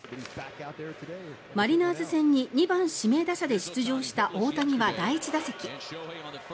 マリナーズ戦に２番指名打者で出場した大谷は第１打席。